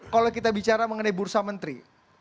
kalau kita bicara mengenai bursa menteri